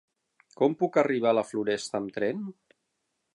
Com puc arribar a la Floresta amb tren?